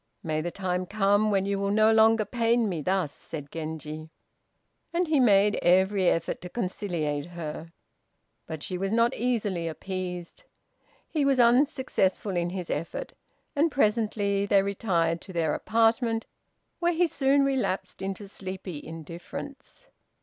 May the time come when you will no longer pain me thus," said Genji; and he made every effort to conciliate her. But she was not easily appeased. He was unsuccessful in his effort, and presently they retired to their apartment, where he soon relapsed into sleepy indifference.